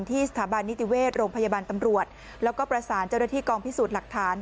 สถาบันนิติเวชโรงพยาบาลตำรวจแล้วก็ประสานเจ้าหน้าที่กองพิสูจน์หลักฐาน